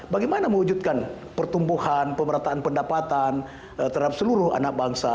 bagaimana mewujudkan pertumbuhan pemerataan pendapatan terhadap seluruh anak bangsa